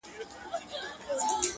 تر مرگه پوري هره شـــپــــــه را روان،